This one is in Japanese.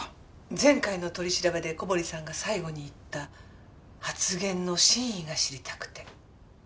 前回の取り調べで小堀さんが最後に言った発言の真意が知りたくて。